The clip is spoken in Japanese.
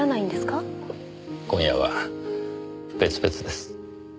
今夜は別々です。